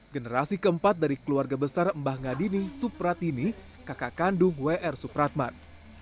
generasi keempat dari keluarga besar mbah ngadini supratini kakak kandung wr supratman